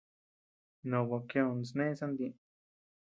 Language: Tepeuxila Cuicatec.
No bokioo sné santieʼe.